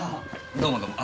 どうもどうも。